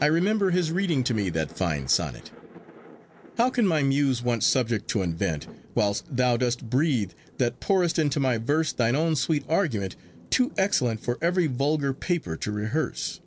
I remember his reading to me that fine sonnet— How can my Muse want subject to invent, While thou dost breathe, that pour'st into my verse Thine own sweet argument, too excellent For every vulgar paper to rehearse?